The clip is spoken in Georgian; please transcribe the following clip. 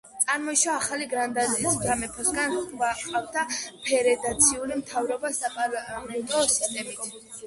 წარმოიშვა ახალი გრანადის სამეფოსგან, ჰყავდა ფედერაციული მთავრობა საპარლამენტო სისტემით.